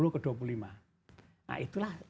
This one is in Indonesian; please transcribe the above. dua puluh ke dua puluh lima nah itulah